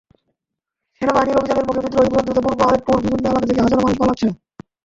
সেনাবাহিনীর অভিযানের মুখে বিদ্রোহী-নিয়ন্ত্রিত পূর্ব আলেপ্পোর বিভিন্ন এলাকা থেকে হাজারো মানুষ পালাচ্ছে।